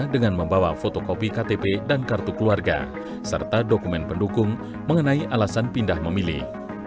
dengan membawa fotokopi ktp dan kartu keluarga serta dokumen pendukung mengenai alasan pindah memilih